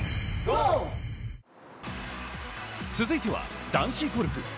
続いては男子ゴルフ。